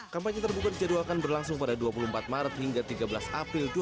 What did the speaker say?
kampanye terbuka dijadwalkan berlangsung pada dua puluh empat maret hingga tiga belas april dua ribu dua puluh